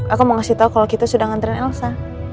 aku mau kasih tau kalau kita sudah ngantri elsa